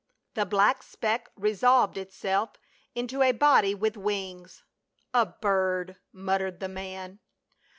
The black speck resolved itself into a body with wings. "A bird," muttered the man.